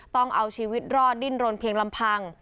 ต้องเอาชีวิตรอดดิ้นรนเพียงลำพัง